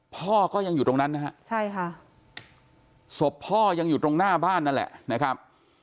พ่อก็ยังอยู่ตรงนั้นนะฮะใช่ค่ะศพพ่อยังอยู่ตรงหน้าบ้านนั่นแหละนะครับ